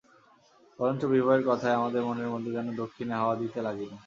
বরঞ্চ বিবাহের কথায় আমার মনের মধ্যে যেন দক্ষিনে হাওয়া দিতে লাগিল।